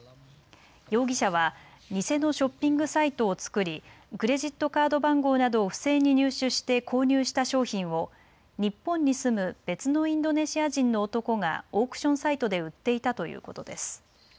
容疑者は偽のショッピングサイトを作りクレジットカード番号などを不正に入手して購入した商品を日本に住む別のインドネシア人の男がオークションサイトで売っていたということです。